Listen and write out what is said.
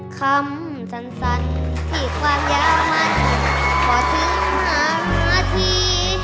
คำสั้นที่ความยาวมันพอถึง๕นาที